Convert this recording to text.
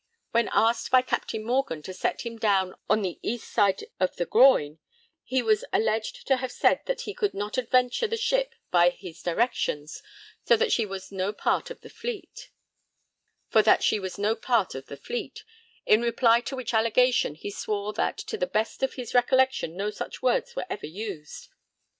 When asked by Captain Morgan to set him down on the east side of the Groyne, he was alleged to have said that 'he could not adventure the ship by his directions for that she was no part of the fleet,' in reply to which allegation he swore that to the best of his recollection no such words were ever used.